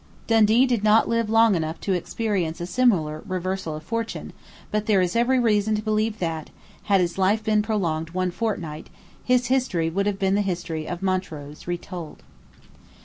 Dundee did not live long enough to experience a similar reverse of fortune; but there is every reason to believe that, had his life been prolonged one fortnight, his history would have been the history of Montrose retold.